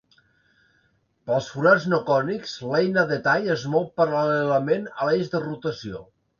Pels forats no cònics, l'eina de tall es mou paral·lelament a l'eix de rotació.